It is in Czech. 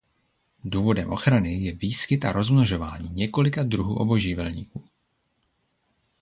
Důvodem ochrany je výskyt a rozmnožování několika druhů obojživelníků.